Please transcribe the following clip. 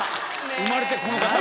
生まれてこの方。